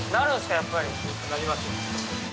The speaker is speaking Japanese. やっぱりなりますね